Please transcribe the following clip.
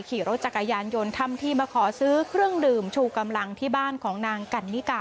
ขี่รถจักรยานยนต์ทำที่มาขอซื้อเครื่องดื่มชูกำลังที่บ้านของนางกันนิกา